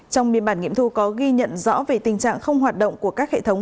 trong biên bản nghiệm thu có ghi nhận rõ về tình trạng không hoạt động của các hệ thống